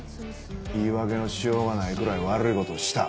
言い訳のしようがないくらい悪い事をした。